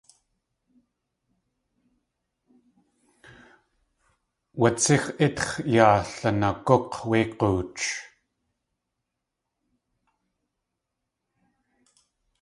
Watsíx ítx̲ yaa lunagúk̲ wé g̲ooch.